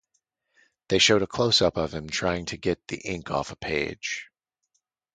They showed a closeup of him trying to get the ink off a page.